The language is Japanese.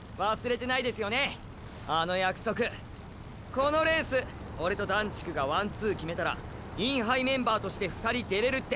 このレースオレと段竹がワンツー決めたらインハイメンバーとして２人出れるって。